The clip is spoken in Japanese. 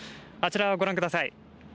あちらをご覧ください。